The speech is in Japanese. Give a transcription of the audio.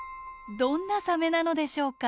どんなサメなのでしょうか？